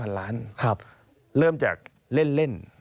เพราะว่าเริ่มจากเล่น